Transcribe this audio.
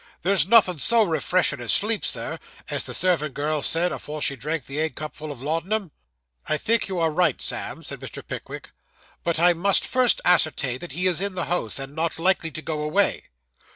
There's nothin' so refreshen' as sleep, sir, as the servant girl said afore she drank the egg cupful of laudanum.' 'I think you are right, Sam,' said Mr. Pickwick. 'But I must first ascertain that he is in the house, and not likely to go away.